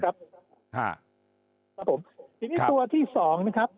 ครับผมทีนี้ตัวที่สองนะครับ